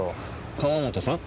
川本さん？